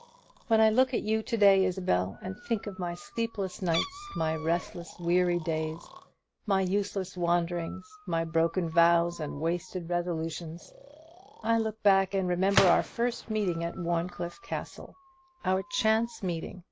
When I look at you to day, Isabel, and think of my sleepless nights, my restless weary days, my useless wanderings, my broken vows and wasted resolutions, I look back and remember our first meeting at Warncliffe Castle our chance meeting.